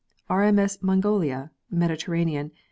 R.M.S. Mongolia, Mediterranean.